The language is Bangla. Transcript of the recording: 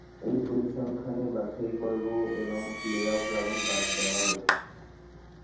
এই পরিসংখ্যানে বাছাইপর্ব এবং প্লে-অফ রাউন্ড বাদ দেওয়া হয়েছে।